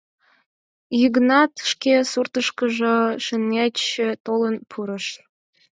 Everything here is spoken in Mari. Йыгнат шке суртышкыжо шеҥгеч толын пурыш.